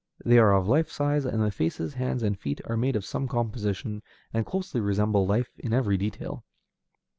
They are of life size, and the faces, hands, and feet are made of some composition, and closely resemble life in every detail.